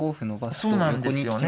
そうなんですよね。